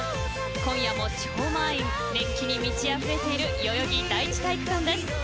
今夜も超満員熱気に満ちあふれている代々木第一体育館です。